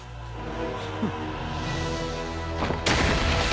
フッ。